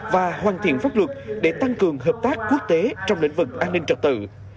và hoàn thiện pháp luật để tăng cường hợp tác quốc tế trong lĩnh vực an ninh trật tự